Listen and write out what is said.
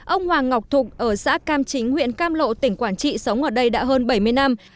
ông hoàng ngọc thục ở xã cam chính huyện cam lộ tỉnh quảng trị sống ở đây đã hơn bảy mươi năm